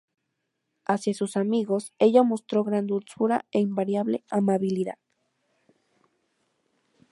Hacia sus amigos, ella mostró gran dulzura e invariable amabilidad.